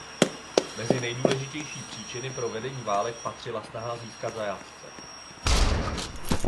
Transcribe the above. Mezi nejdůležitější příčiny pro vedení válek patřila snaha získat zajatce.